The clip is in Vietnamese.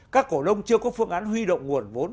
các cổ đông chưa có phương án huy động nguồn vốn